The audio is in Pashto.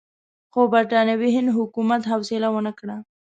خو برټانوي هند حکومت حوصله ونه کړه.